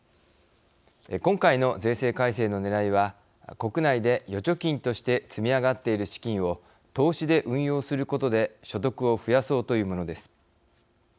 今回の税制改正のねらいは国内で預貯金として積み上がっている資金を投資で運用することで所得を増やそうというものです。